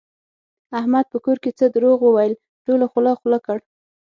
احمد په کور کې څه دروغ وویل ټولو خوله خوله کړ.